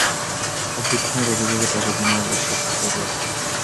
অভ্যুত্থানের অভিযোগে তাকে জেনারেল এরশাদ গ্রেপ্তার করেছিলেন।